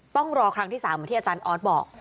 ต้องรอครั้งที่๓เหมือนที่อาจารย์ออสบอก